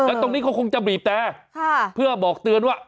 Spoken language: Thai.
แล้วตรงนี้เขาคงจะบีบแต่เพื่อบอกเตือนว่า